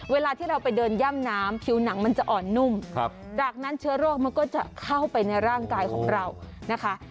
เวลาที่เราไปเดินย่ำน้ำผิวหนังมันจะอ่อนนุ่มจากนั้นเชื้อโรคมันก็จะเข้าไปในร่างกายของเรานะคะ